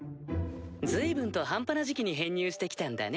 随分と半端な時期に編入してきたんだね。